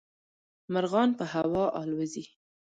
مرغان په هوا الوزي.